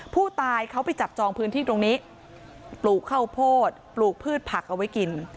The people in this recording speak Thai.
ผู้ตายเขาไปจับจองพื้นที่ตรงนี้ปลูกข้าวโพดปลูกพืชผักเอาไว้กิน